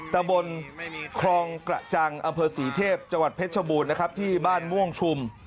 ตะบนครองกระจังอำเภอศรีเทพจังหวัดเพชรชบูรณ์นะครับที่บ้านม่วงชุม